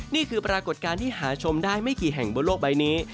นี่คือปรากฏการณ์ที่หาชมได้ไม่กี่แห่งบนโลกใบนี้